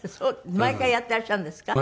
毎回やっていらっしゃるんですか？